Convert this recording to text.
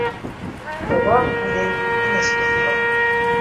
Шуға үҙен тыныс тотто